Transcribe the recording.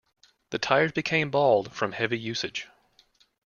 The tires became bald from heavy usage.